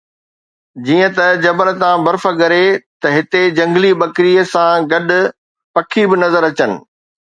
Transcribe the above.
جيئن ئي جبل تان برف ڳري ته هتي جهنگلي ٻڪريءَ سان گڏ پکي به نظر اچن.